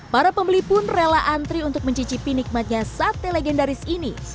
para pembeli pun rela antri untuk mencicipi nikmatnya sate legendaris ini